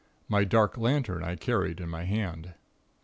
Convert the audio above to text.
My dark lantern I carried in my hand.